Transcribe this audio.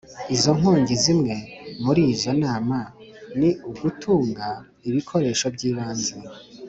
izo nkongi Zimwe muri izo nama ni ugutunga ibikoresho by ibanze